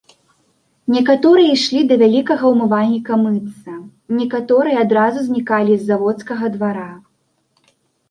Некаторыя ішлі да вялікага ўмывальніка мыцца, некаторыя адразу знікалі з заводскага двара.